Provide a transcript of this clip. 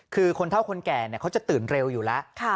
คือคนเท่าคนแก่เขาจะตื่นเร็วอยู่แล้ว